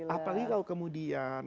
apalagi kalau kemudian